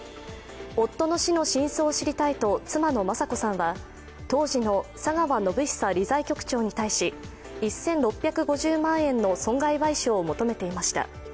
夫の死の真相を知りたいと妻の雅子さんは当時の佐川宣寿理財局長に対し１６５０万円の損害賠償を求めていました。